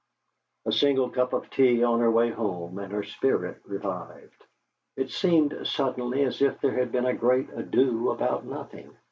A single cup of tea on her way home, and her spirit revived. It seemed suddenly as if there had been a great ado about nothing!